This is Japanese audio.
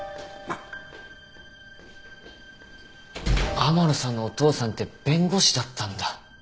天野さんのお父さんって弁護士だったんだ。